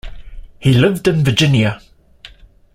He lived in Virginia.